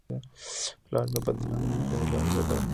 پلار مي په دلارام کي یوه لویه مځکه رانیولې ده